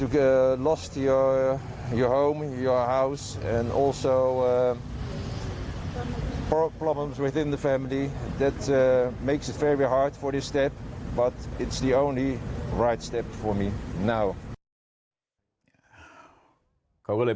รู้สึกว่าคุณจะล้มหัวห้องคุณและความปัญหาในครอบครัว